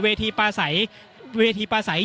อย่างที่บอกไปว่าเรายังยึดในเรื่องของข้อ